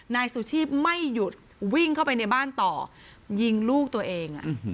นายสุชีพไม่หยุดวิ่งเข้าไปในบ้านต่อยิงลูกตัวเอง